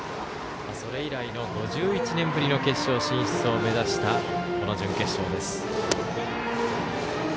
それ以来の５１年ぶりの決勝進出を目指した準決勝です。